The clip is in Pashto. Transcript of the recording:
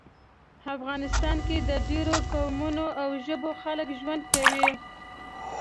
افغانستان کې د ډیرو قومونو او ژبو خلک ژوند کوي